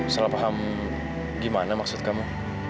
salah paham gimana maksud kamu